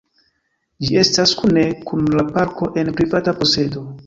Ĝi estas kune kun la parko en privata posedo.